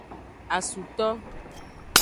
Asuto.